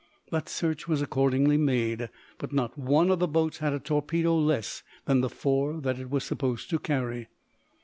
That search was accordingly made, but not one of the boats had a torpedo less than the four that it was supposed to carry.